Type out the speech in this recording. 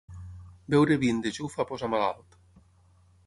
Beure vi en dejú fa posar malalt.